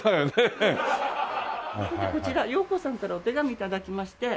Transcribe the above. そしてこちらヨーコさんからお手紙頂きまして。